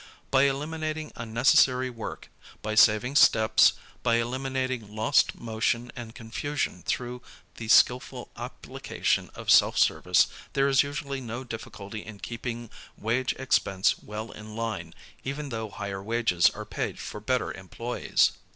By eliminating unnecessary work, by saving steps, by eliminating lost motion and confusion through the skillful application of self service, there is usually no difficulty in keeping wage expense well in line even though higher wages are paid for better employes.